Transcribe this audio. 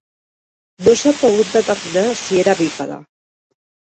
No s'ha pogut determinar si era bípede.